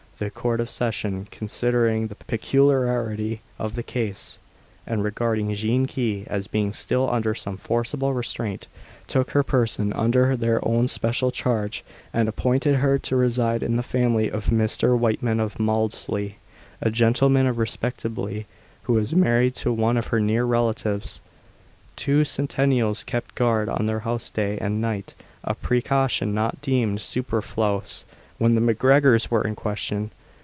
The Court of Session, considering the peculiarity of the case, and regarding Jean Key as being still under some forcible restraint, took her person under their own special charge, and appointed her to reside in the family of Mr. Wightman of Mauldsley, a gentleman of respectability, who was married to one of her near relatives. Two sentinels kept guard on the house day and night a precaution not deemed superfluous when the MacGregors were in question.